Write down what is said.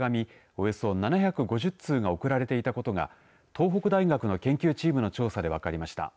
およそ７５０通が送られていたことが東北大学の研究チームの調査で分かりました。